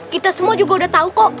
kita semua juga udah tahu kok